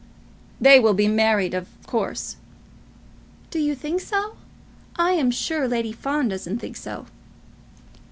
"They will be married, of course." "Do you think so? I am sure Lady Fawn doesn't think so."